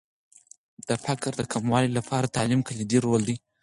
د فقر د کموالي لپاره تعلیم کلیدي رول لري.